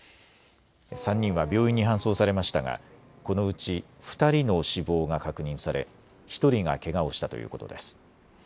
３人は病院に搬送されましたがこのうち２人の死亡が確認され１人がけがをしたということです。